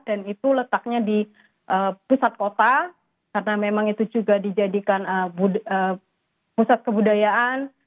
dan itu letaknya di pusat kota karena memang itu juga dijadikan pusat kebudayaan